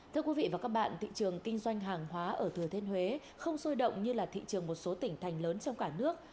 thưa quý vị và các bạn thị trường kinh doanh hàng hóa ở thừa thiên huế không sôi động như là thị trường một số tỉnh thành lớn trong cả nước